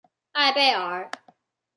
艾贝尔。